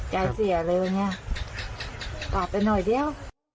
เสียเลยวันนี้ฝากไปหน่อยเดียว